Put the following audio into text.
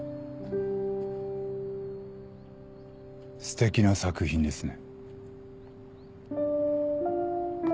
すてきな作品ですね。